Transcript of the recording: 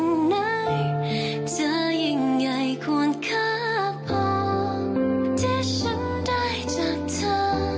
ใจให้ใหญ่ควรแค่พอที่ฉันได้จากเธอ